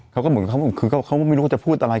เขาก็เหมือนเขาคือเขาก็ไม่รู้เขาจะพูดอะไร